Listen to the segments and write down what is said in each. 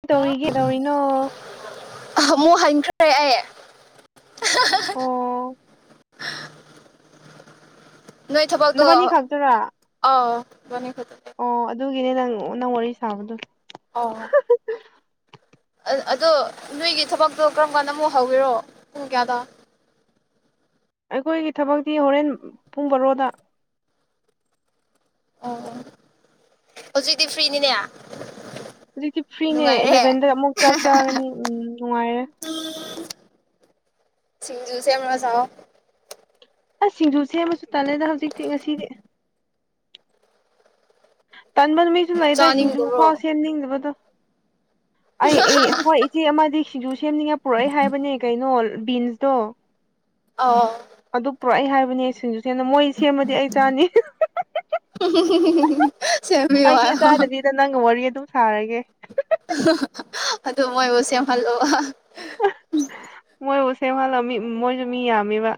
ꯀ ꯇꯧꯔꯤ ꯀꯦꯗꯧꯔꯤꯅꯣ ꯑꯃꯨꯛ ꯍꯟꯈ꯭ꯔꯦ ꯑꯩ ꯑꯣ ꯅꯣꯏ ꯊꯕꯜꯗꯣ ꯅꯕꯥꯅꯤ ꯈꯛꯇꯔꯥ ꯑ ꯕꯅꯤ ꯈꯛꯇꯅꯦ ꯑꯣ ꯑꯗꯨꯒꯤꯅꯦ ꯅꯪ ꯅꯪ ꯋꯥꯔꯤ ꯁꯥꯕꯗꯣ꯫ ꯑ ꯑꯗꯣ ꯅꯣꯏꯒꯤ ꯊꯕꯛꯇꯣ ꯀꯔꯝ ꯀꯥꯟꯗ ꯑꯃꯨꯛ ꯍꯧꯕꯤꯔꯣ ꯄꯨꯡ ꯀꯌꯥꯗ꯫ ꯑꯩꯈꯣꯏꯒꯤ ꯊꯕꯛꯇꯤ ꯍꯣꯔꯦꯟ ꯄꯨꯡ ꯕꯔꯣꯗ꯫ ꯑꯣ ꯍꯧꯖꯤꯛꯇꯤ ꯐ꯭ꯔꯤꯅꯤꯅꯦ꯫ ꯍꯧꯖꯤꯛꯇꯤ ꯐ꯭ꯔꯤꯅꯦ ꯅꯨꯡꯉꯥꯏꯔꯦ ꯑꯦꯂꯚꯦꯟꯗ ꯑꯃꯨꯛ ꯆꯥꯛ ꯆꯥꯒꯅꯤ ꯎꯝ ꯅꯨꯡꯉꯥꯏꯔꯦ ꯁꯤꯡꯖꯨꯁꯦꯃ ꯆꯥꯎ ꯑꯁꯤꯖꯨ ꯁꯦꯃꯨꯁꯨ ꯇꯂꯦꯗ ꯍꯧꯖꯤꯛꯇꯤ ꯉꯁꯤ꯫ ꯇꯟꯕ ꯅꯨ ꯃꯤꯁꯨ ꯂꯩꯗꯏ ꯁꯤꯡꯁꯨ ꯆꯥꯅꯤꯡꯗꯕ꯭ꯔꯣ ꯎꯈꯥꯎ ꯁꯦꯝꯅꯤꯡꯗꯕꯗꯣ꯫ ꯑꯩ ꯑꯦ ꯍꯣꯏ ꯏꯆꯦ ꯑꯃꯗꯤ ꯁꯤꯡꯖꯨ ꯁꯦꯝꯅꯤꯡꯉ ꯄꯨꯔꯛꯏ ꯍꯥꯏꯕꯅꯦ ꯀꯩꯅꯣ꯫ ꯕꯤꯟꯁ ꯗꯣ꯫ ꯑ ꯑꯗꯨ ꯄꯔꯛꯏ ꯍꯥꯏꯕꯅꯦ ꯁꯤꯡꯖ ꯨ ꯁꯦꯡꯅ ꯃꯣꯏ ꯁꯦꯝꯃꯗꯤ ꯑꯩ ꯆꯥꯅꯤ꯫ ꯁꯦꯝꯕꯤꯌꯣ ꯑꯩꯗꯤ ꯍꯥꯏꯌꯣ ꯆꯗꯕꯤꯗ ꯅꯪ ꯋꯥꯔꯤ ꯑꯗꯨꯨꯝ ꯁꯥꯔꯒꯦ꯫ ꯑꯗꯨꯣ ꯃꯣꯏꯕꯨꯁ ꯁꯦꯝꯍꯜꯂꯣꯕ ꯃꯣꯏꯕꯨꯁꯦꯝꯍꯜꯂꯝꯃꯤ ꯃꯣꯏꯁꯨ ꯃꯤ ꯌꯥꯝꯃꯤꯕ꯫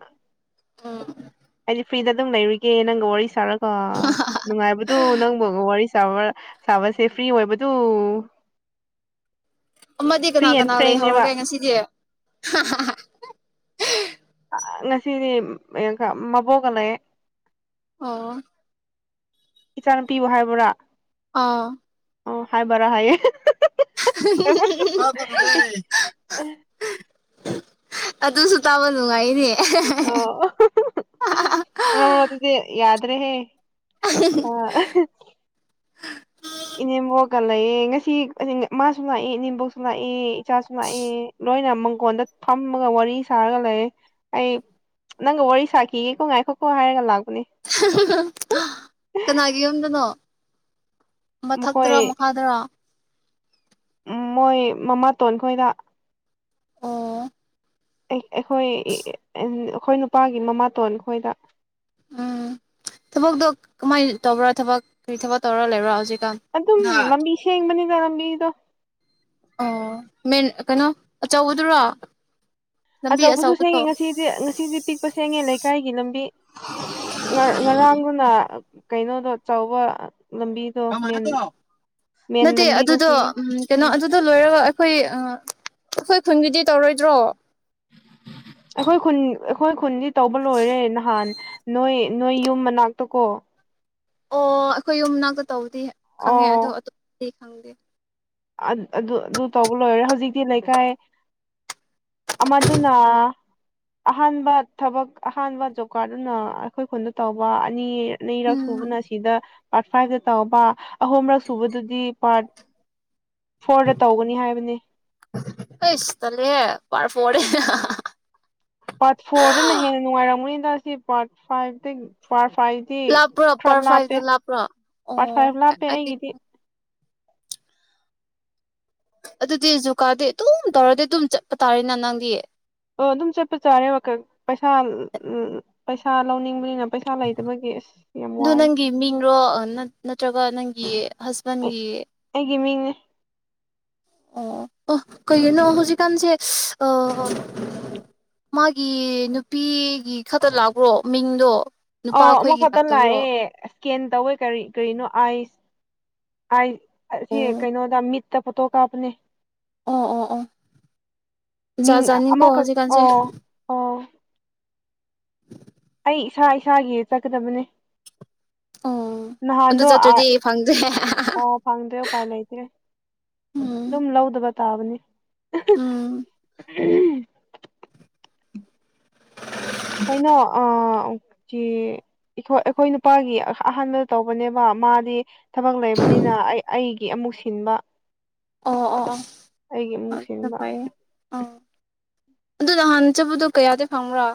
ꯎꯝ꯫ ꯐ꯭ꯔꯤꯗ ꯑꯗꯨꯝ ꯂꯩꯔꯤꯒꯦ ꯅꯪꯒ ꯋꯥꯔꯤ ꯁꯥꯔꯒ꯫ ꯑ ꯅꯨꯡꯉꯥꯏꯕꯗꯨꯣ ꯅꯪꯕꯒ ꯋꯥꯔꯤ꯫ ꯆꯕ ꯆꯕꯔꯁꯦ ꯐ꯭ꯔꯤ ꯑꯣꯏꯕꯗꯨ ꯑꯃꯗꯤ ꯐ꯭ꯔꯤ ꯀꯅꯥ ꯑꯦꯟ ꯀꯅꯥ ꯐ꯭ꯔꯦꯡꯅꯦꯕ ꯂꯩꯍꯧꯔꯒꯦ ꯉꯁꯤꯗꯤ꯫ [unintelligible] ꯉꯁꯤꯗꯤ ꯃꯕꯣꯛꯒꯂꯦ꯫ ꯑꯣ ꯏꯆꯥꯅꯄꯤꯌꯨ ꯍꯥꯏꯕ꯭ꯔꯥ꯫ ꯑꯥ꯫ ꯑꯣ ꯍꯥꯏꯕꯔꯥ ꯍꯥꯏꯌꯦ꯫ [unintelligible] ꯑꯗꯨꯁꯨ ꯇꯥꯕ ꯅꯨꯡꯉꯥꯏꯅꯦ꯫ ꯑꯣꯗꯤ ꯌꯥꯗ꯫ ꯔꯦ꯫ ꯑ꯫ ꯏꯅꯦꯝꯕꯣꯛꯀ ꯂꯩꯌꯦꯦ ꯉꯁꯤ ꯃꯥꯁꯨ ꯂꯥꯛꯏ ꯏꯅꯦꯦꯝꯕꯣꯛꯁꯨ ꯂꯥꯛꯏꯦ꯫ ꯆꯃ ꯂꯣꯏꯅ꯫ ꯃꯪꯈꯣꯟꯗ ꯐꯝꯃꯒ ꯋꯥꯔꯤ ꯁꯥꯔꯒ ꯂꯩ ꯑꯩ ꯅꯪꯒ ꯋꯥꯔꯤ ꯁꯥꯈꯤꯒꯦꯀꯣ ꯉꯥꯏꯈꯣꯠꯀꯣ ꯍꯥꯏꯔꯒ ꯂꯥꯛꯄ ꯀꯅꯥꯒꯤ ꯌꯨꯝꯗꯅꯣ ꯃꯊꯛꯇꯔ ꯃꯈꯥꯗꯔꯥ ꯎ ꯃꯣꯏ ꯃꯃꯥꯇꯣꯟ ꯈꯣꯏꯗ ꯑꯣ ꯑꯩꯈꯣꯏ ꯑꯩꯈꯣꯏ ꯅꯨꯄꯥꯒꯤ ꯃꯃꯥꯇꯣꯟ ꯈꯈꯣꯏꯗ ꯎꯝ ꯊꯕꯛꯇꯣ ꯀꯃꯥꯏꯅ ꯇꯧꯕ꯭ꯔꯥ ꯊꯕꯛ ꯀꯔꯤ ꯊꯕꯛ ꯇꯧꯔ ꯂꯩꯕ꯭ꯔꯥ ꯍꯧꯖꯤꯛ ꯑꯗꯨ ꯑꯗꯨ ꯂꯝꯝꯕꯕꯤꯁꯦ ꯌꯦ ꯃꯅꯤ ꯃꯤꯗ ꯑꯣ ꯃꯦꯟ ꯀꯩꯅꯣ ꯑꯆꯧꯕꯗꯨꯔꯣ ꯂꯝꯕꯤ ꯑꯆꯧꯕꯁꯨ ꯁꯦꯡꯉꯦ ꯑꯆꯧꯕꯗꯣ ꯉꯁꯤꯗꯤ ꯉꯁꯤꯗꯤ ꯄꯤꯛꯄ ꯁꯦꯡꯉꯦ ꯂꯩꯀꯥꯏꯒꯤ ꯂꯝꯕꯤ ꯉꯔꯥꯡꯗꯨꯅ ꯀꯩꯅꯣꯗꯣ ꯆꯥꯎꯧꯕ ꯃꯦꯟ ꯅꯠꯇꯦ ꯂꯝꯕꯤꯗ ꯑꯗꯨꯗꯣ ꯁꯦꯡꯉꯦ ꯀꯩꯅꯣ ꯎꯝ ꯑꯗꯨꯗꯣ ꯂꯣꯏꯔꯒ ꯑꯩꯈꯣꯏ ꯑꯩꯈꯣꯏ ꯈꯨꯟꯒꯤꯗꯤ ꯇꯧꯔꯣꯏꯗ꯭ꯔꯣ ꯍꯣꯏ ꯈꯨꯣꯟꯗꯤ ꯇꯧꯕ ꯂꯣꯏꯔꯦ ꯅꯍꯥꯟ ꯅꯣꯏ ꯅꯣꯏ ꯌꯨꯝ ꯃꯅꯥꯛꯇꯀꯣ ꯑꯣ ꯑꯩꯈꯣꯏ ꯌꯨꯝꯅꯥꯛꯇ ꯇꯧꯋ ꯈꯪꯉꯦ ꯑꯣ ꯑꯗꯨꯣ ꯊ ꯈꯪꯒꯦ ꯑꯗꯨ ꯑꯗꯨ ꯇꯧꯕ ꯂꯣꯏꯔꯦ ꯍꯧꯖꯤꯛꯇꯤ ꯂꯩꯀꯥꯏ ꯑꯃꯗꯨꯅ ꯑꯍꯥꯟꯕ ꯊꯕꯛ ꯑꯍꯥꯟꯕ ꯖꯣꯕ ꯀꯥꯔꯠ ꯑꯗꯨꯅ ꯑꯩꯈꯣꯏ ꯈꯨꯟꯗ ꯇꯧꯕ ꯑꯅꯤ ꯅ ꯔꯛ ꯎꯝ ꯁꯨꯕꯅ ꯁꯤꯗ ꯄꯠ ꯐꯥꯏꯗꯠꯇꯕ ꯑꯍꯨꯝꯔꯛ ꯁꯨꯕꯗꯗꯤ ꯄꯥꯠ ꯐꯣꯔꯗ ꯇꯧꯒꯅꯤ ꯍꯥꯏꯕꯅꯤ ꯐꯣꯣꯔꯦꯅ ꯄꯥꯔꯠ ꯐꯣꯔꯗꯅ ꯍꯦꯟꯅ ꯅꯨꯡꯉꯥꯏꯔꯝꯒꯅꯤ ꯏꯟꯗ ꯁꯤ ꯄꯥꯔꯠ ꯐꯥꯏꯚꯇ ꯄꯥꯔꯠ ꯐꯥꯏꯚꯇꯤ ꯂꯥꯞꯄ꯭ꯔꯣ ꯈꯔ ꯂꯥꯞꯄꯦ ꯄꯔꯐꯥꯏꯗꯨ ꯂꯥꯞꯄ꯭ꯔꯣ ꯑꯣ ꯄꯥꯔꯠ ꯐꯥꯏꯚ ꯂꯥꯞꯄꯦ ꯑꯩꯗꯤ ꯑꯩꯒꯤꯗꯤ ꯑꯗꯨꯗꯤ ꯖꯨ ꯀꯥꯔꯗꯦ ꯑꯗꯨꯝ ꯇꯧꯔꯗꯤ ꯑꯗꯨꯝ ꯆꯠꯄ ꯇꯥꯔꯦꯅꯦ ꯅꯪꯗꯤ ꯑꯣ ꯑꯗꯨꯝ ꯆꯠꯄ ꯆꯥꯔꯦꯕ ꯄꯩꯁꯥ ꯎ ꯄꯩꯁꯥ ꯂꯧꯅꯤꯡꯕꯅꯤꯅ ꯄꯩꯁꯥ ꯂꯩꯇꯕꯒꯤ ꯑꯁ ꯌꯥꯝ ꯑꯗꯨ ꯋꯥꯔꯦ ꯅꯪꯒꯤ ꯃꯤꯡꯔꯣ ꯅꯠꯇ꯭ꯔꯒ ꯅꯪ ꯀꯤꯌꯦ ꯍꯁꯕꯦꯟꯟꯦ ꯒꯤꯃꯤꯅꯦ ꯑꯣ ꯑ ꯀꯩꯒꯤꯅꯣ ꯍꯧꯖꯤꯛꯀꯥꯟꯁꯦ ꯃꯥꯒꯤ ꯅꯨꯄꯤꯒꯤ ꯈꯛꯇ ꯂꯥꯛꯄ꯭ꯔꯣ ꯃꯤꯡꯗꯣ ꯑ ꯅꯨꯄꯥ ꯑꯩꯈꯣꯏꯒꯤ ꯑꯃꯨꯈꯛꯇ ꯂꯥꯛꯇꯕ꯭ꯔꯣ ꯂꯥꯛꯑꯦ ꯏꯁꯀꯦꯟ ꯇꯧꯋꯦ ꯀꯔꯤ ꯀꯔꯤꯅꯣ ꯑꯥꯏꯁ ꯑꯁꯤ ꯑꯣ ꯀꯩꯅꯣꯗ ꯃꯤꯠꯇ ꯐꯣꯇꯣ ꯀꯥꯞꯄꯅꯦ꯫ ꯑꯣ ꯑꯣ ꯑꯣ ꯃꯤ ꯖꯥꯠ ꯖꯥꯠꯅꯤꯀꯣ ꯑꯃ ꯀ ꯑ ꯍꯧꯖꯤꯛꯀꯥꯟꯁꯦ ꯑ꯫ ꯫ ꯑꯩ ꯏꯁꯥ ꯏꯁꯥꯒꯤ ꯆꯠꯀꯗꯕꯅꯦ꯫ ꯑꯣ ꯑꯗꯨ ꯅꯍꯥꯟꯗꯣ ꯆꯠꯇ꯭ꯔꯗꯤ ꯐꯪꯗꯦ ꯑꯣ ꯐꯪꯗꯦ ꯎꯄꯥꯏ ꯂꯩꯇ꯭ꯔꯦ ꯎꯝ ꯑꯗꯨꯝ ꯂꯧꯗꯕ꯫ ꯀꯇꯥꯕꯅꯤ꯫ ꯫ ꯎꯝ ꯀꯩꯅꯣ ꯑꯩꯈꯣꯏ ꯅꯨꯄꯥꯒꯤ ꯑꯍꯥꯟꯕꯗ ꯇꯧꯕꯅꯦꯕ ꯃꯥꯗꯤ ꯊꯕꯛ ꯂꯩꯕꯅꯤꯅ ꯑꯩ ꯑꯩꯒꯤ ꯑꯃꯨꯛ ꯁꯤꯟꯕ꯫ ꯑꯣ ꯑꯣ ꯑꯩꯒꯤ ꯑ ꯑꯃꯨꯛ ꯆ ꯁꯤꯟꯕ ꯐꯥꯏ ꯑ꯫ ꯑꯗꯨꯗ ꯍꯥꯟꯅ ꯆꯠꯄꯗꯣ ꯀꯌꯥꯗꯤ ꯐꯪꯕ꯭ꯔꯥ꯫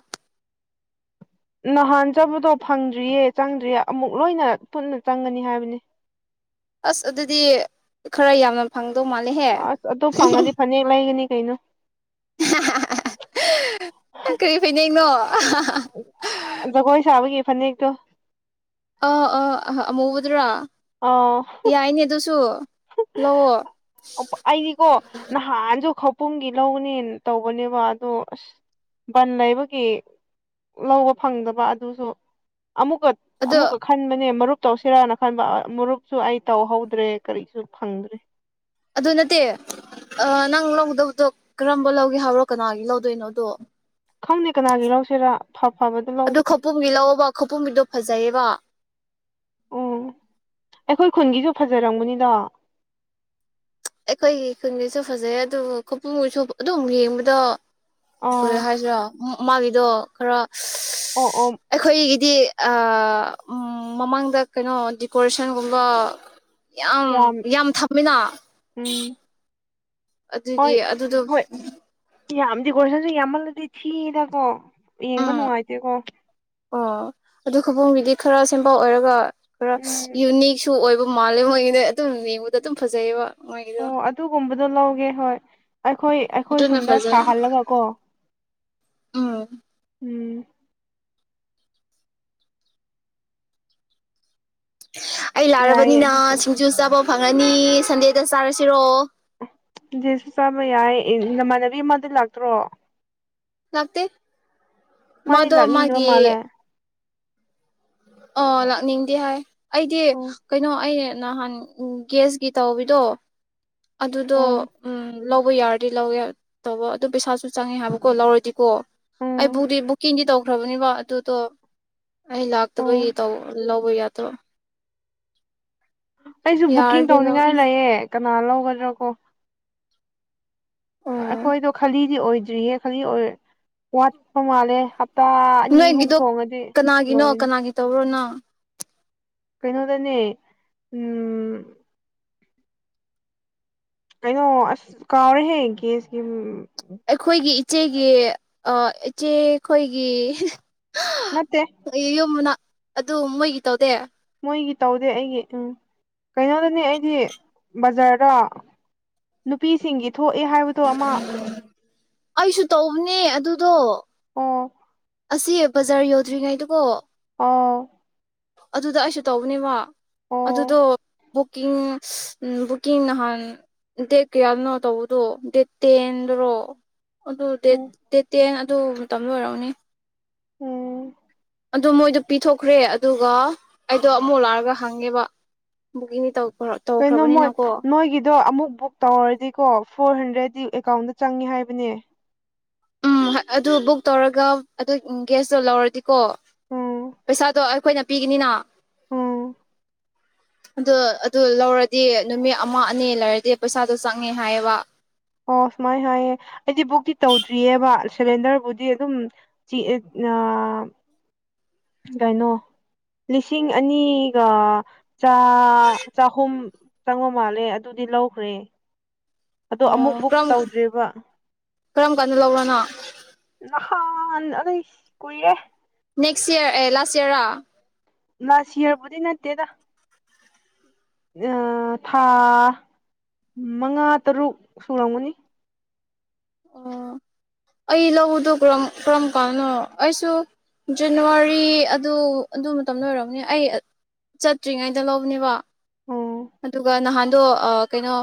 ꯅꯍꯥꯟ ꯆꯥꯕꯗꯣ ꯐꯪꯗ꯭ꯔꯤꯌꯦ ꯆꯪꯗ꯭ꯔꯤꯌꯦ ꯑꯃꯨꯛ ꯂꯣꯏꯅ ꯄꯨꯟꯅ ꯆꯪꯒꯅꯤ ꯍꯥꯏꯕꯅꯤ꯫ ꯑꯁ ꯑꯗꯨꯗꯤ ꯈꯔ ꯌꯥꯝꯅ ꯐꯪ꯫ ꯑꯁ ꯑꯗꯨ ꯐꯪꯉꯗꯤ ꯐꯅꯦꯛ ꯂꯩꯒꯅꯤ꯫ ꯍꯅ꯫ ꯀꯔꯤ ꯐꯤꯅꯅꯣꯝ ꯐꯅꯤꯦꯛꯒ꯫ ꯑ ꯑ ꯑ ꯃꯨꯗ꯭ꯔꯥ꯫ ꯑꯥ ꯌꯥꯏꯅꯦ ꯑꯗꯨꯁꯨꯝ ꯑꯩꯗꯤꯀꯣ ꯅꯍꯥꯟ꯫ ꯑꯟꯁꯨ ꯈꯄꯨꯡꯒꯤ ꯂꯧꯅꯤꯅ ꯇꯧꯕꯅꯦꯕ ꯑꯗꯣ ꯑꯁ ꯕꯟ ꯂꯩꯕꯒꯤ ꯂꯧꯕ ꯐꯪꯗꯕ ꯑꯗꯨꯁꯨ꯫ ꯑꯃꯨꯛꯀ ꯑꯗꯣ ꯑꯃꯨꯛꯀ ꯈꯟꯕꯅꯦ ꯃꯔꯨꯞ꯫ ꯇꯧꯁꯤꯔꯥꯅ ꯈꯟꯕ ꯃꯨꯔꯨꯞꯁꯨ ꯑꯩ ꯇꯧꯍꯧꯗ꯭ꯔꯦ꯫ ꯀꯔꯤꯁꯨ ꯐꯪꯗ꯭ꯔꯦ꯫ ꯑꯗꯨ ꯅꯠꯇꯦ ꯅꯪ ꯂꯧꯒꯗꯕꯗꯣ ꯀꯔꯝꯕ ꯂꯧꯒꯦ ꯍꯥꯏꯕ꯭ꯔꯣ ꯀꯅꯥꯒꯤ ꯂꯧꯗꯣꯏꯅꯣꯗꯣ ꯈꯪꯅꯤ ꯀꯅꯥꯒꯤ ꯂꯧꯁꯤꯔꯥ꯫ ꯐ ꯐꯕꯗꯣ ꯑꯗꯨ ꯂꯧꯒꯦ ꯈꯄꯨꯝꯒꯤ ꯂꯑꯣꯕ꯫ ꯈꯨꯄꯨꯝꯝꯕꯤꯗꯣ ꯐꯖꯩꯌꯦꯕ꯫ ꯎꯝ ꯑꯩꯈꯣꯏ ꯈꯨꯟꯒꯤꯁꯨ ꯐꯖꯔꯝꯒꯅꯤꯗ꯫ ꯑꯩꯈꯣꯏꯒꯤ ꯈꯨꯟꯒꯤꯁꯨ ꯐꯖꯩ ꯑꯗꯨꯕꯨ ꯈꯨꯄꯨꯡꯁꯨ ꯑꯗꯨꯝꯨꯛ ꯌꯦꯡꯕꯗꯣ꯫ ꯀ ꯑꯥ ꯍꯥꯏꯁꯨ꯫ ꯎ ꯃꯥꯒꯤꯗꯣ ꯈꯔ꯫ ꯑꯣ ꯑꯣ꯫ ꯗꯤ ꯃꯃꯥꯡꯗ ꯀꯩꯅꯣ ꯗꯗꯤꯀꯣꯔꯦꯁꯟꯒꯨꯝꯕ꯫ ꯌꯥꯝ ꯌꯥꯝ ꯊꯝꯃꯤꯅ꯫ ꯎꯝ꯫ ꯑꯗꯨꯒꯤ ꯑꯗꯨꯗꯣ꯫ ꯌꯥꯝꯗꯤ ꯀꯣꯁꯁꯨꯃꯜ ꯂꯩꯗꯁꯤꯗꯣ꯫ ꯌꯦꯡꯕ ꯎꯝ ꯅꯨꯡꯉꯥꯏꯇꯦꯀꯣ꯫ ꯑꯣ ꯑꯗꯨ ꯈꯨꯕꯣꯡꯒꯤꯗꯤ ꯈꯔ ꯁꯦꯝꯕ ꯑꯣꯏꯔꯒ꯫ ꯈꯔ ꯎꯝ ꯌꯨꯅꯤꯛꯁꯨ ꯑꯣꯏꯕ꯫ ꯃꯥꯂꯦꯝ ꯑꯣꯏꯉꯩꯗꯩ ꯑꯗꯨꯝ ꯂꯉꯗ ꯑꯗꯨꯝ ꯐꯖꯩꯑꯕ꯫ ꯑꯣ ꯑꯗꯨꯒꯨꯝꯕ꯫ ꯑꯗꯨ ꯂꯑꯣꯒꯦ ꯍꯣꯏ꯫ ꯑꯩꯈꯣꯏ ꯑꯩꯈꯣꯏ ꯑꯗꯨꯅ ꯈꯨꯟꯗ ꯐꯖꯩ ꯁꯥꯍꯜꯂꯒ ꯀꯣ꯫ ꯎꯝ꯫ ꯎꯝ꯫ ꯑꯩ ꯌꯥꯏꯌꯦ ꯂꯥꯔꯕꯅꯤꯅ ꯑꯗꯨꯁꯨ ꯁꯤꯡꯖꯨ ꯆꯥꯕ꯫ ꯐꯪꯉꯅꯤ ꯁꯟꯗꯦꯗ ꯆꯥꯔꯁꯤꯔꯣ꯫ ꯦꯁꯨ ꯆꯥꯕ ꯌꯥꯏ ꯅꯃꯥꯟꯅꯕꯤ ꯑꯃꯗ ꯂꯥꯛꯇ꯭ꯔꯣ꯫ ꯂꯥꯛꯇ꯫ ꯃꯥꯗꯤ ꯃꯗꯨ ꯂꯥꯛꯅꯤꯡꯗꯕ ꯃꯥꯒꯤ꫰ ꯃꯥꯜꯂꯦ ꯑꯣ ꯂꯥꯛꯅꯤꯡꯗꯤ ꯍꯥꯏ꯫ ꯑꯩꯗꯤ ꯑꯣ ꯀꯩꯅꯣ ꯑꯩ꯫ ꯅꯍꯥꯟ ꯒꯦꯁꯀꯤ ꯇꯧꯋꯗꯣ ꯑꯗꯨꯗꯣ ꯑꯣ ꯎꯝ ꯂꯧꯕ ꯌꯥꯔꯗꯤ꯫ ꯂꯧꯋꯦ ꯇꯧꯕ ꯑꯗꯨ ꯄꯩꯁꯥꯁꯨ ꯆꯪꯉꯦ ꯍꯥꯏꯕꯀꯣ ꯂꯧꯔꯗꯤꯀꯣ꯫ ꯎꯝ ꯑꯩꯕꯨꯗꯤ ꯕꯨꯛꯤꯡꯗꯤ ꯇ꯫ ꯐ꯭ꯔꯕꯅꯤꯕ ꯑꯗꯨꯣ ꯑꯩ꯫ ꯇ ꯑꯣ ꯂ ꯌꯥ꯫ ꯇꯣ꯫ ꯑꯩꯁꯨ ꯕꯨꯛꯀꯤꯡ ꯌꯥꯔꯗꯤ ꯇꯧꯅꯤꯡꯉꯥꯏ ꯂꯧꯅꯤ ꯂꯩꯌꯦ꯫ ꯀꯅꯥꯂꯣ ꯔꯥ ꯀꯣ꯫ ꯑꯣ ꯑꯩꯈꯣꯏꯗꯣ ꯈꯂꯤꯗꯤ ꯑꯣꯏꯗ꯫ ꯔꯤꯌꯦ ꯈ ꯑꯣꯋꯥ ꯃꯥꯦ꯫ ꯅꯣꯏꯒꯤꯗꯣ ꯀꯅꯥꯒꯤꯅꯣ ꯂꯣꯏꯔꯅꯤ ꯀꯅꯥꯒꯤ ꯇꯧꯔꯣꯅꯣ꯫ ꯀꯩꯅꯣꯗꯅꯦ ꯎꯝ꯫ ꯀꯩꯅꯣ ꯑꯁ ꯀꯥꯎꯔꯦꯍꯦ ꯦꯁꯀꯤ꯫ ꯑꯩꯈꯣꯏꯒꯤ꯫ ꯏꯆꯦꯒꯤ ꯏꯆꯦꯈꯣꯏꯒꯤ꯫ ꯅꯠꯇꯦ ꯌꯨꯝꯅ꯫ ꯑꯗꯨ ꯃꯣꯏꯒꯤ ꯇꯥꯎꯗꯦ꯫ ꯃꯣꯏꯒꯤ ꯇꯧꯗꯦ ꯑꯩꯒꯤ ꯎꯝ ꯀꯩꯅꯣꯗꯅꯦ ꯑꯩꯗꯤ ꯕꯖꯥꯔꯗ ꯅꯨꯄꯤꯁꯤꯡꯒꯤ꯫ ꯊꯣꯛꯑꯦ ꯍꯥꯏꯕꯗꯣ ꯑꯃ꯫ ꯕꯅꯦ ꯑꯗꯨꯗꯣ꯫ ꯑꯣ꯫ ꯑꯁꯤ ꯕꯖꯥꯔ ꯌꯧꯗ꯭ꯔꯤꯉꯩꯗꯨꯀꯣ꯫ ꯑꯥ꯫ ꯑꯗꯨꯗ ꯑꯩꯁꯨ ꯇꯧꯕꯅꯦꯕ꯫ ꯑꯣ ꯑꯗꯨꯗꯣ꯫ ꯕꯨꯛꯀꯤꯡ ꯕꯨꯛꯀꯤꯡ ꯅꯍꯥꯟ ꯗꯦꯠ ꯀꯌꯥꯗꯅꯣ ꯇꯧꯕꯗꯣ ꯗꯦꯠ ꯇꯦꯟꯗꯔꯣ꯫ ꯑꯣ ꯗꯦꯠ ꯎꯝ ꯫ ꯑꯗꯨ ꯇꯗ ꯑꯣꯏꯔꯛꯎꯅꯦ꯫ ꯎꯝ꯫ ꯑꯣ ꯃꯣꯏꯗꯣ ꯄꯤꯊꯣꯛꯈ꯭ꯔꯦ ꯑꯗꯨꯒ ꯑꯩꯗꯣ ꯑꯃꯨꯛ ꯂꯥꯛꯑꯒ ꯍꯪꯉꯦꯕ ꯕꯨꯀꯤꯡꯗꯤ ꯇꯧ꯫ ꯀꯩꯅꯣ ꯃꯣꯏ ꯅꯣꯏꯒꯤꯗꯣ ꯑꯃꯨꯛ ꯕꯨꯛ ꯇꯧꯔꯔꯗꯤꯀꯣ ꯐꯣꯔ ꯍꯟꯗ꯭ꯔꯦꯗꯗꯤ꯫ ꯀꯥꯎꯟꯗ ꯆꯪꯉꯦ ꯍꯥꯏꯕꯅꯦ꯫ ꯎꯝ ꯑꯗꯨ ꯕꯨꯛ ꯇꯧꯔꯒ ꯑꯗꯨ ꯒꯦꯁꯇꯣ ꯂꯧꯔꯗꯤꯀꯣ ꯎꯝ ꯄꯩꯁꯥꯗꯣ ꯑꯩꯈꯣꯏꯅ ꯄꯤꯒꯅꯤꯅ꯫ ꯎꯝ ꯑꯗꯣ꯫ ꯑꯗꯨ ꯂꯧꯔꯗꯤ ꯅꯨꯃꯤꯠ ꯑꯃ ꯑꯅꯤ ꯂꯩꯔꯗꯤ ꯄꯩꯁꯥꯗꯣ ꯆꯪꯉꯦ ꯍꯥꯏꯌꯦꯕ꯫ ꯑꯣ ꯁꯨꯃꯥꯏꯅ ꯁꯨꯥꯏꯌꯦ ꯑꯩꯗꯤ ꯕꯨꯛꯇꯤ ꯇꯧꯗ꯭ꯔꯤꯑꯕ ꯁꯤꯂꯤꯟꯗꯔꯕꯨꯗꯤ ꯑꯗꯨꯝ꯫ ꯀꯩꯅꯣ ꯂꯤꯁꯤꯡ ꯑꯅꯤꯒ ꯆꯍꯨꯝ ꯆꯥꯡꯕ ꯃꯥꯜꯂꯦ ꯑꯗꯨꯗꯤ ꯂꯧꯈ꯭ꯔꯦ꯫ ꯑꯗꯣ ꯑꯣ ꯑꯃꯨꯛ ꯕꯨꯛ ꯀꯔꯝ ꯇꯧꯗ꯭ꯔꯤꯕ꯫ ꯀꯔꯝ ꯀꯥꯟꯗ ꯂꯧꯔꯅꯣ ꯫ ꯅꯍꯥꯟ ꯑꯗꯨꯗꯩ ꯀꯨꯏꯔꯦ꯫ ꯅꯦꯛꯁ ꯏꯔ ꯑꯦ ꯂꯥꯁ ꯏꯌꯥꯔꯥ꯫ ꯂꯥꯁ ꯌꯔꯕꯨꯗꯤ ꯅꯠꯇꯦꯗ꯫ ꯊꯥ ꯃꯉꯥ ꯇꯔꯨꯛ ꯁꯨꯔꯝꯒꯅꯤ꯫ ꯑꯣ ꯑꯩ ꯂꯧꯕꯗꯣ ꯀꯔꯝ ꯀꯔꯝ ꯀꯥꯟꯅꯣ ꯑꯩꯁꯨ ꯖꯅꯋꯥꯔꯤ ꯑꯗꯨ ꯑꯗꯨ ꯃꯇꯝꯗꯣꯏꯔꯕꯅꯤ ꯑꯩ ꯆꯠꯇ꯭ꯔꯤꯉꯩꯗ ꯂꯧꯕꯅꯦꯕ꯫ ꯑꯣ ꯑꯗꯨꯒ ꯅꯍꯥꯟ꯫ ꯑꯗꯣ ꯀꯩꯅꯣ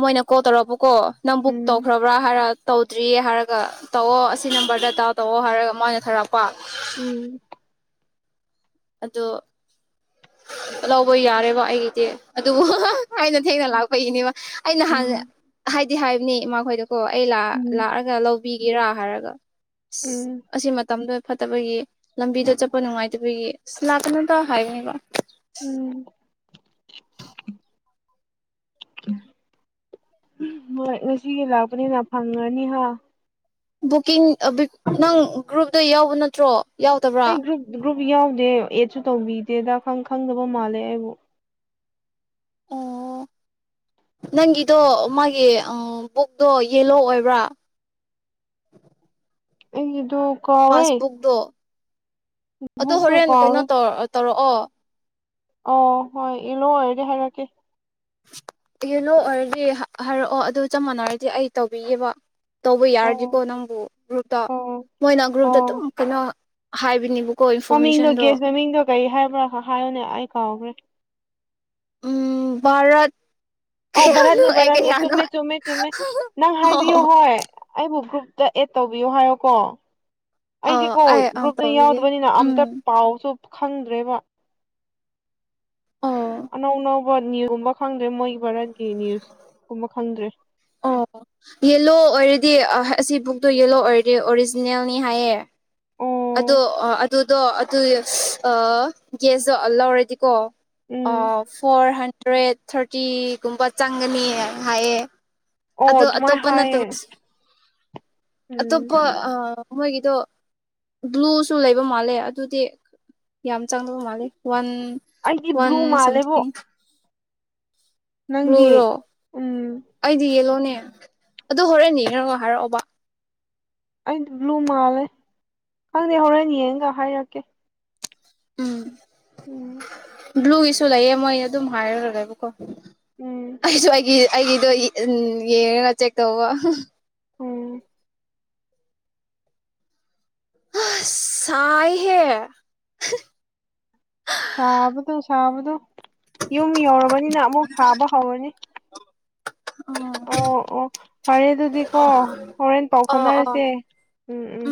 ꯃꯣꯏꯅ ꯀꯣꯜ ꯇꯧꯔꯛ꯫ ꯀꯣ ꯅꯪ ꯕꯨꯛ ꯎꯝ ꯇꯧꯈ꯭ꯔꯕ꯭ꯔꯥ ꯍꯥꯏꯔ꯫ ꯇꯧꯗ꯭ꯔꯤꯌꯦ ꯍꯥꯏꯔꯒ ꯇꯧꯑꯣ ꯑꯁꯤ ꯅꯝꯕꯔꯗꯗꯥꯎ ꯇꯧꯑꯣ ꯍꯥꯏꯔꯒ ꯃꯣꯏꯅ ꯊꯥꯔꯛꯄ꯫ ꯎꯝ꯫ ꯑꯣ ꯂꯧꯕ ꯌꯥꯔꯦꯕ ꯑꯩꯒꯤꯗꯤ ꯑꯗꯨꯕꯨ꯫ ꯑꯩꯅ ꯊꯦꯡꯅ ꯂꯥꯛꯄꯒꯤꯅꯦꯕ ꯑꯩꯅ ꯎꯝ ꯍꯥꯟꯅ ꯍꯥꯏꯗꯤ꯫ ꯍꯥꯏꯕꯅꯤ ꯃꯣꯏꯗ꯫ ꯀꯣ ꯑꯩ ꯂ ꯎꯝ ꯂꯥꯛꯑꯒ꯫ ꯄꯤꯒꯦꯔꯥ ꯍꯥꯏꯔꯒ꯫ ꯎꯝ ꯑꯁꯤ ꯃꯇꯝꯗ꯫ ꯐꯠꯇꯕꯒꯤ ꯂꯝꯕꯤꯗ ꯆꯠꯄ ꯅꯨꯡꯉꯥꯏꯇꯕꯒꯤ ꯆꯅꯥꯛ ꯇꯅ ꯇ ꯍꯥꯏꯒ ꯎꯝ ꯍꯣꯏ ꯉꯁꯤꯒꯤ ꯂꯥꯛꯄꯅꯤꯅ ꯐꯪꯉꯅꯤ ꯍꯥ ꯕꯨꯛꯀꯤꯡ ꯅꯪ ꯒ꯭ꯔꯨꯞꯇ ꯌꯥꯎꯕ ꯅꯠꯇ꯭ꯔꯣ ꯌꯥꯎꯗꯕ꯭ꯔꯥ ꯑꯩ ꯒ꯭ꯔꯨꯞ ꯒ꯭ꯔꯨꯞ ꯌꯥꯎꯗꯦ ꯑꯦꯠꯁꯨ ꯇꯧꯕꯤꯗꯦꯗ ꯈꯪꯗꯕ ꯃꯥꯜꯂꯦ ꯑꯩꯕꯨ ꯑꯣ ꯅꯪꯒꯤꯗꯣ ꯃꯥꯒꯤ ꯕꯨꯛꯇꯣ ꯌꯦꯂꯣ ꯑꯣꯏꯕ꯭ꯔꯥ ꯑꯩꯗꯣ ꯄꯥꯁꯕꯨꯛꯗꯣ ꯑꯗ ꯕꯨꯛꯇꯣ ꯍꯣꯔꯦꯟ ꯀꯩꯅꯣ ꯀꯥꯎꯔꯦ ꯇꯧ ꯇꯧꯔꯛ ꯑꯣ ꯑꯣ ꯍꯣꯏ ꯏꯂꯨ ꯑꯣꯏꯔꯒꯦ ꯍꯥꯏꯔꯛꯀꯦ ꯌꯦꯅꯣ ꯑꯣꯏꯔꯗꯤ ꯍꯥꯏꯔꯛꯑꯣ ꯑꯗꯨ ꯆꯞ ꯃꯥꯟꯅꯔꯗꯤ ꯑꯩ ꯇꯧꯕꯤꯒꯦꯕ ꯇꯧꯕ ꯑꯣ ꯌꯥꯔꯗꯤꯀꯣ ꯅꯪꯕꯨ ꯒ꯭ꯔꯨꯞꯇ ꯑꯣ ꯃꯣꯏꯅ ꯒ꯭ꯔꯨꯞꯇ ꯑꯗꯨꯝ ꯑꯣ ꯀꯩꯅꯣ ꯍꯥꯏꯕꯤꯅꯤꯕꯨ ꯃꯃꯤꯡꯗꯣ ꯒꯦꯁ ꯃꯃꯤꯡꯗꯣ ꯀꯔꯤ ꯍꯥꯏꯕ꯭ꯔꯥ ꯍꯥꯏꯌꯣꯅꯦ ꯑꯩ ꯀꯥꯎꯈ꯭ꯔꯦ ꯎꯝ ꯚꯥꯔꯠ ꯑꯣ ꯀꯌꯥꯅꯣ ꯔꯅꯤꯅꯤ ꯑꯦ ꯔꯅꯤ ꯀꯌꯥꯅꯣ ꯆꯨꯝꯃꯦ ꯆꯨꯃꯦ ꯆꯨꯃꯦ ꯅ ꯍꯥꯏꯕꯤꯑꯣ ꯑꯣ ꯍꯣꯏ ꯑꯕꯨ ꯇ ꯑꯦ ꯇꯧꯕꯤꯌꯨ ꯍꯥꯏꯌꯣꯀꯣ ꯑꯩꯗꯤꯀꯣ ꯑꯩ ꯑ ꯒ꯭ꯔꯨꯞꯇ ꯇꯧꯕꯤꯒꯦ ꯌꯥꯎꯗꯕꯅꯤꯅ ꯑꯝꯇ ꯎꯝ ꯄꯥꯎꯁꯨ ꯈꯪꯗ꯭ꯔꯦ ꯃꯥ ꯑꯣ ꯑꯅꯧꯅ ꯚꯠ ꯅꯅꯤꯌꯨꯁꯀꯨꯝꯕ ꯈꯪꯗ꯭ꯔꯦ ꯃꯣꯏꯒꯤ ꯚꯥꯔꯠꯀꯤ ꯅ꯭ꯌꯨꯁ ꯀꯨꯝꯕ ꯈꯪꯗ꯭ꯔꯦ ꯑꯣ ꯌꯦꯂꯣ ꯑꯣꯏꯔꯗꯤ ꯑꯁꯤ ꯕꯨꯛꯇꯣ ꯌꯦꯂꯣ ꯑꯣꯏꯔꯗꯤ ꯑꯣꯔꯤꯖꯤꯅꯦꯜꯅꯤ ꯍꯥꯏꯌꯦ ꯑꯣ ꯑꯗꯣ ꯑꯗꯨꯗꯣ ꯑꯗꯨ ꯒꯦꯁꯇꯣ ꯂꯧꯔꯗꯤꯀꯣ ꯑ ꯎꯝ ꯐꯣꯔ ꯍꯟ ꯍꯟꯗ꯭ꯔꯦꯠ ꯊꯥꯔꯇꯤꯒꯨꯝꯕ ꯆꯪꯒꯅꯤꯅ ꯍꯥꯏꯌꯦ ꯑꯣ ꯑꯗꯣ ꯑꯗꯨꯃꯥꯏꯅ ꯑꯇꯣꯞꯄꯅꯠꯇ ꯍꯥꯏꯌꯦ ꯎꯝ ꯑꯇꯣꯞꯄ ꯑ ꯃꯣꯏꯒꯤꯗꯣ ꯕ꯭ꯂꯨꯁꯨ ꯂꯩꯕ ꯃꯥꯜꯂꯦ ꯑꯗꯨꯗꯤ ꯌꯥꯝ ꯆꯪꯗꯕ ꯃꯥꯜꯂꯦ ꯋꯥꯟ ꯑꯩꯗꯤ ꯕ꯭ꯂꯨ ꯃꯥꯜꯂꯦꯕꯣ ꯅꯪꯗꯤ ꯣꯔꯣ ꯎꯝ ꯑꯩꯗꯤ ꯌꯦꯂꯣꯅꯦ ꯑꯗꯨ ꯍꯣꯔꯛꯅꯤ ꯅ ꯍꯥꯏꯔꯛꯑꯣꯕ ꯑꯩꯗꯤ ꯕ꯭ꯂꯨ ꯃꯥꯜꯂꯦ ꯈꯪꯗꯦ ꯍꯣꯔꯦꯟ ꯌꯦꯡꯒ ꯍꯥꯏꯔꯛꯀꯦ ꯎꯝ ꯎꯝ ꯕ꯭ꯂꯨꯒꯤꯁꯨ ꯂꯩꯌꯦ ꯃꯣꯏ ꯑꯗꯨꯝ ꯍꯥꯏꯔꯨꯔꯒꯦꯕꯀꯣ ꯎꯝ ꯑꯩꯁꯨ ꯑꯩꯒꯤ ꯑꯩꯒꯤꯗꯣ ꯎ ꯌꯦꯡꯉꯒ ꯆꯦꯛ ꯇꯧꯕ ꯎꯝ ꯁꯥꯏꯍꯦ ꯁꯥꯕꯗꯣ ꯁꯥꯕꯗꯣ ꯌꯨꯝ ꯌꯧꯔꯕꯅꯤꯅ ꯑꯃꯨꯛ ꯁꯥꯕ ꯍꯧꯔꯅꯤ ꯎꯝ ꯑꯣ ꯑꯣ ꯐꯔꯦ ꯑꯗꯨꯗꯤ ꯀꯣ ꯍꯣꯔꯦꯟꯦꯟ ꯄꯥꯎ ꯑꯣ ꯑꯣ ꯐꯅꯁꯦ ꯎꯝ ꯎꯝ